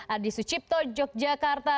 ada di sucipto yogyakarta